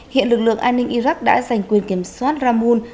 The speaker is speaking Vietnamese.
hiện lực lượng an ninh iraq đã giành quyền kiểm soát ramun